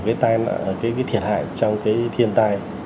cái thiệt hại trong cái thiên tai